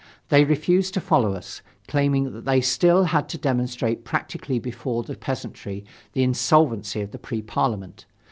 They refused to follow us, claiming that they still had to demonstrate practically before the peasantry the insolvency of the Pre Parliament.